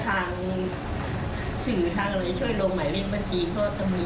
สวัสดีครับ